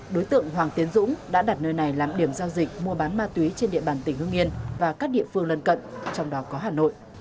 đối tượng hoàng tiến dũng đã đặt nơi này làm điểm giao dịch mua bán ma túy trên địa bàn tỉnh hương yên và các địa phương lân cận trong đó có hà nội